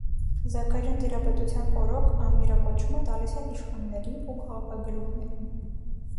Զաքարյան տիրապետության օրոք «ամիրա» կոչումը տալիս են իշխաններին ու քաղաքագլուխներին։